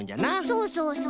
そうそうそう。